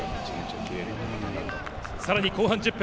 更に後半１０分。